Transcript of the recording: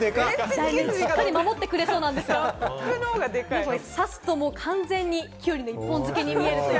しっかり守ってくれるそうなんですが、さすと完全にきゅうりの１本漬けに見えるという。